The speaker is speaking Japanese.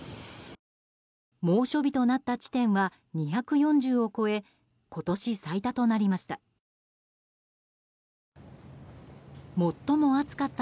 猛暑日となった地点は２４０を超え今年最多となりました。